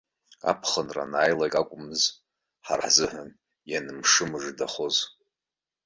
Аԥхынра анааилак акәмыз, ҳара ҳзыҳәан ианымшымыждахоз?